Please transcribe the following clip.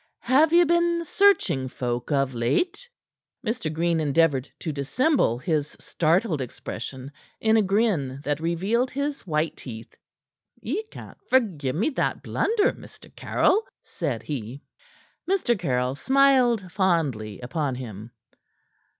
Have ye been searching folk of late?" Mr. Green endeavored to dissemble his startled expression in a grin that revealed his white teeth. "Ye can't forgive me that blunder, Mr. Caryll," said he. Mr. Caryll smiled fondly upon him.